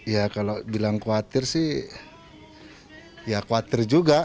ya kalau bilang khawatir sih ya khawatir juga